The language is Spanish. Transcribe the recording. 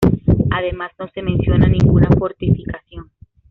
Además, no se menciona ninguna fortificación.